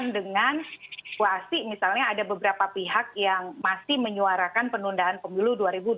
dengan situasi misalnya ada beberapa pihak yang masih menyuarakan penundaan pemilu dua ribu dua puluh